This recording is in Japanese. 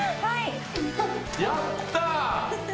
やった！